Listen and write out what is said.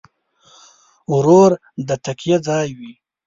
ورور د تکیه ځای وي.